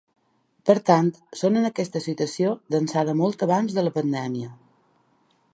Per tant, són en aquesta situació d’ençà de molt abans de la pandèmia.